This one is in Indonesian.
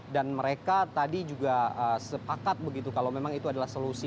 dan mereka tadi juga sepakat begitu kalau memang itu adalah solusi